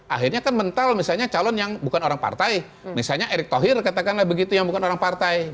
akhirnya kan mental misalnya calon yang bukan orang partai misalnya erick thohir katakanlah begitu yang bukan orang partai